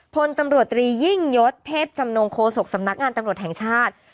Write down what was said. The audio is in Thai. พลตำรวจตรียิ่งยศเทพจำนงโคศกสำนักงานตำรวจแห่งชาติ